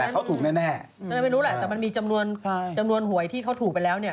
เขาถูกแน่ไม่รู้แหละแต่มันมีจำนวนหวยที่เขาถูกไปแล้วเนี่ย